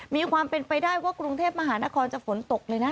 มีความเป็นไปได้ว่ากรุงเทพมหานครจะฝนตกเลยนะ